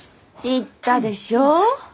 言ったでしょう？